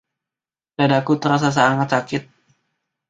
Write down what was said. Dadaku terasa sangat sakit.